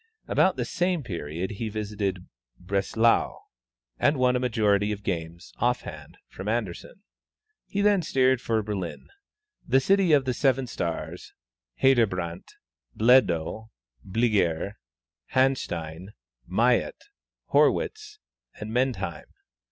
About the same period he visited Breslau, and won a majority of games (off hand) from Anderssen. He then steered for Berlin, "the city of the seven stars" Heyderbrandt, Bledow, Bilguer, Hanstein, Mayet, Hörwitz and Mendheim.